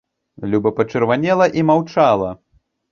Люба пачырванела і маўчала.